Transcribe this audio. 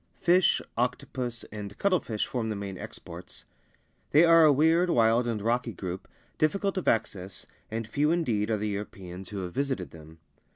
Fish, octopus, and cuttlefish form the main exports. They are a weird, wild, and rocky group, difficult of access, and few indeed are the Europeans who have visited them.